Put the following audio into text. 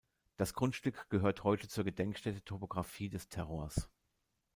Das Grundstück gehört heute zur Gedenkstätte Topographie des Terrors.